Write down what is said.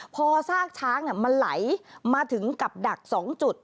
พอซากช้างมันไหลมาถึงกับดัก๒จุด